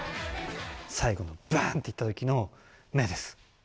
最後のバーンっていったときの目です。